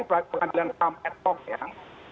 pengadilan ham ad hoc ya